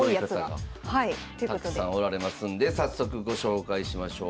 すごい方がたくさんおられますんで早速ご紹介しましょう。